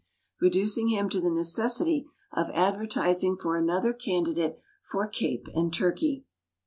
reducing him to the necessity of advertising for another candidate for Cape and turkey.